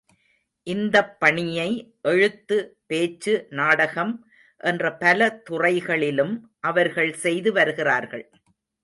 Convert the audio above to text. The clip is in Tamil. இந்தப் பணியை எழுத்து, பேச்சு, நாடகம் என்ற பல துறைகளிலும் அவர்கள் செய்து வருகிறார்கள்.